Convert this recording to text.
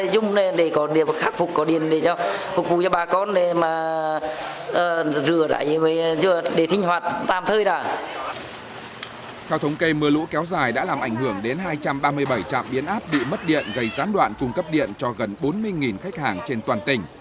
công ty điện lực quảng bình đã làm ảnh hưởng đến hai trăm ba mươi bảy trạm biến áp bị mất điện gây gián đoạn cung cấp điện cho gần bốn mươi khách hàng trên toàn tỉnh